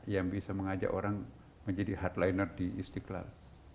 yang bisa mengajak orang menjadi hardliner di istiqlal